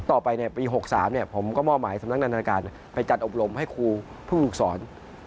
ต่อไปปี๖๓ผมก็มอบหมายสำนักงานนาการไปจัดอบรมให้ครูผู้ฝึกสอน